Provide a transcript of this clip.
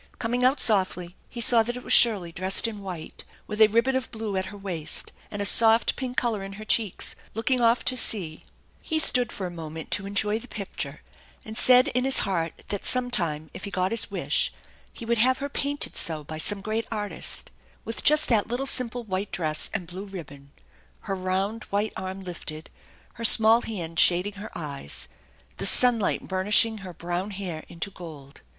Coming out softly, he saw that it was Shirley dressed in white, with a ribbon of blue at her waist and a soft pink color in her cheeks, looking off to sea, He stood for a moment to enjoy the picture, and said in his heart that sometime, if he got his wish, he would have her painted so by some great artist, with just that little simple white dress and blue ribbon, her round white arm lifted, her small hand shading her eyes, the sunlight burnishing her brown hair into gold.